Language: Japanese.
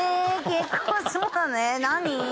結構そうだね何？